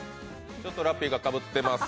ちょっとラッピーがかぶってます。